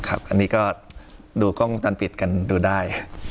อันนี้ก็ดูกล้องจรปิดกันดูได้